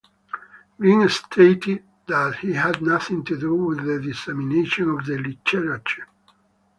Green stated that he had nothing to do with the dissemination of the literature.